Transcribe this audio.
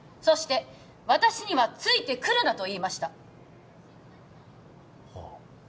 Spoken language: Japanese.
そして私には「ついて来るな」と言いましたはあ